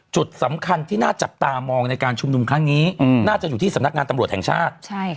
จุดสำคัญที่น่าจับตามองในการชุมนุมครั้งนี้น่าจะอยู่ที่สำนักงานตำรวจแห่งชาติ